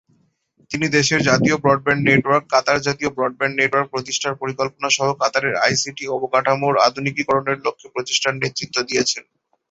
তিনি দেশের জাতীয় ব্রডব্যান্ড নেটওয়ার্ক, কাতার জাতীয় ব্রডব্যান্ড নেটওয়ার্ক প্রতিষ্ঠার পরিকল্পনা সহ কাতারের আইসিটি অবকাঠামোর আধুনিকীকরণের লক্ষ্যে প্রচেষ্টার নেতৃত্ব দিয়েছেন।